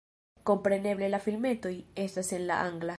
Kompreneble la filmetoj estas en la angla.